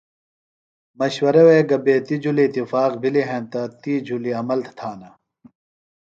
مشورہ وے گہ بیتیۡ جُھلیۡ اتفاق بِھلیۡ ہینتہ تی جُھلیۡ عمل تھانہ۔